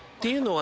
は